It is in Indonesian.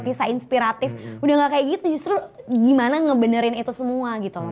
kisah inspiratif udah gak kayak gitu justru gimana ngebenerin itu semua gitu loh